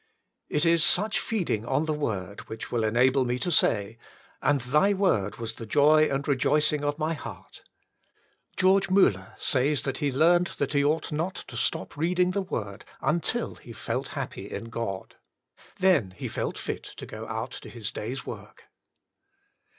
It is such feeding on the word which will enable me to say :" And Thy word was the joy and rejoicing of my heart." George Muller says that he learned that he ought not to stop reading the Word until he felt happy in God : then he felt fit to go out to his day's work.